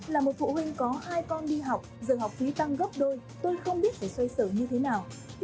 là một phụ huynh có hai con đi học giờ học phí tăng gấp đôi tôi không biết phải xoay sở như thế nào